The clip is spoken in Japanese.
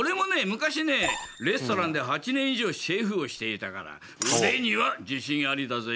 昔ねレストランで８年以上シェフをしていたから腕には自信ありだぜ！